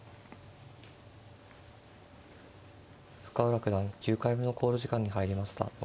深浦九段９回目の考慮時間に入りました。